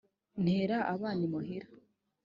ntera abana imuhira!»